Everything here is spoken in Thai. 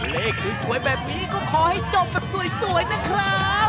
เลขสวยแบบนี้ก็ขอให้จบแบบสวยนะครับ